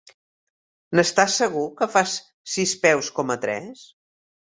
N'estàs segur, que fas sis peus coma tres?